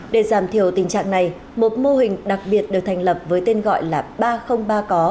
để giảm thiểu tình trạng này một mô hình đặc biệt được thành lập với tên gọi là ba trăm linh ba có